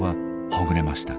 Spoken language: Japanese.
ほぐれました。